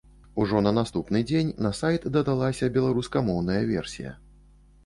Ужо на наступны дзень на сайт дадалася беларускамоўная версія.